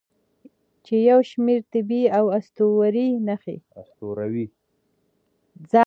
چې یو شمیر طبیعي او اسطوروي نښې